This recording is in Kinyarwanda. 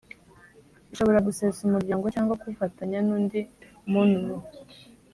ishobora gusesa umuryango cyangwa kuwufatanya n undi munru